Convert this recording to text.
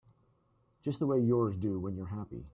Just the way yours do when you're happy.